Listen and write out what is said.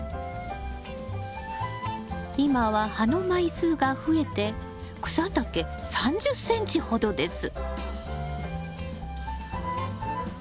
今は葉の枚数が増えて草丈３０ｃｍほどです。